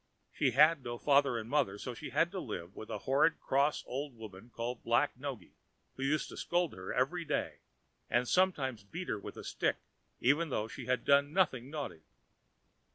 She had no father and mother, so she had to live with a horrid cross old woman called Black Noggy, who used to scold her every day, and sometimes beat her with a stick, even though she had done nothing naughty.